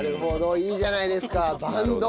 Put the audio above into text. いいじゃないですかバンド！